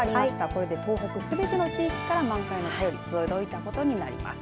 これで東北すべての地域から満開の便りが届いたことになります。